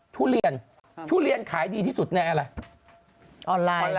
ทุเรียนทุเรียนขายดีที่สุดในอะไร